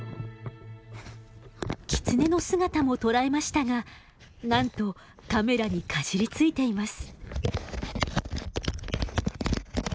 キツネの姿も捉えましたがなんとカメラにかじりついています。